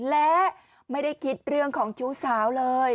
และไม่ได้คิดเรื่องของชู้สาวเลย